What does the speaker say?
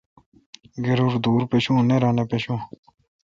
گرور دور پشوں، نییرا نہ پݭوں۔